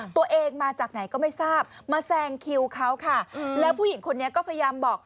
ตัวเองมาจากไหนก็ไม่ทราบมาแซงคิวเขาค่ะแล้วผู้หญิงคนนี้ก็พยายามบอก